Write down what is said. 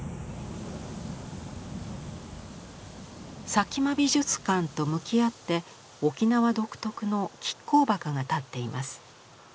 佐喜眞美術館と向き合って沖縄独特の亀甲墓が立っています。